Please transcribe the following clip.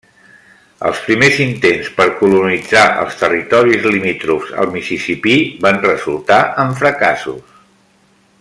Els primers intents per colonitzar els territoris limítrofs al Mississipí van resultar en fracassos.